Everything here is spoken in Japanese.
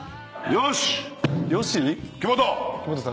「よし」？